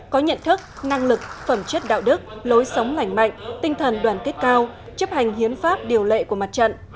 có nhận thức năng lực phẩm chất đạo đức lối sống lành mạnh tinh thần đoàn kết cao chấp hành hiến pháp điều lệ của mặt trận